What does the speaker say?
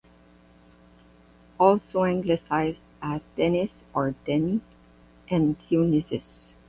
Also anglicised as Dennis or Denis and Dionysius.